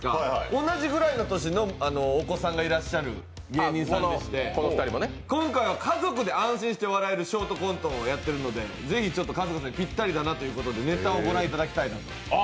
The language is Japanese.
同じくらいの年のお子さんがいらっしゃる芸人さんでして、今回は、家族で安心して笑えるショートコントをやっているのでぜひ、春日さんにぴったりだなということで、ネタをご覧いただきたい。